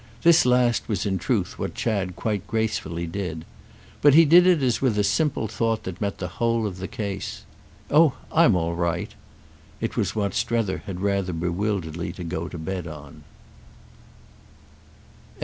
This last was in truth what Chad quite gracefully did. But he did it as with a simple thought that met the whole of the case. "Oh I'm all right!" It was what Strether had rather bewilderedly to go to bed on.